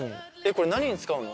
これ何に使うの？